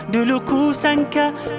dulu ku sangat senang